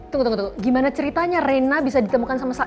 tunggu tunggu tunggu gimana ceritanya rena bisa ditemukan sama sal